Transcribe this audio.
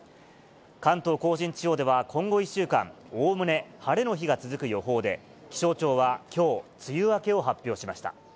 関東甲信地方では今後１週間、おおむね晴れの日が続く予報で、気象庁はきょう、梅雨明けを発表しました。